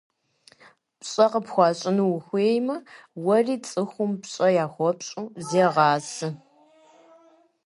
ПщӀэ къыпхуащӀыну ухуеймэ, уэри цӏыхум пщӏэ яхуэпщӏу зегъасэ.